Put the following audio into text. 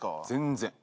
全然。